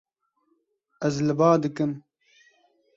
Ez li ba dikim.